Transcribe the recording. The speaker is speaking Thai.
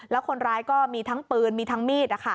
แล้วคนร้ายก็มีทั้งปืนมีทั้งมีด